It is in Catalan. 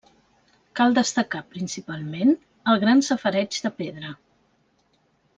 Cal destacar principalment el gran safareig de pedra.